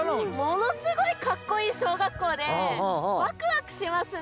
ものすごいかっこいいしょうがっこうでワクワクしますね！